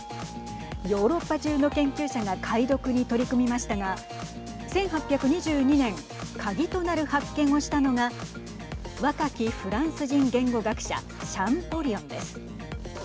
ヨーロッパ中の研究者が解読に取り組みましたが１８２２年鍵となる発見をしたのが若きフランス人言語学者シャンポリオンです。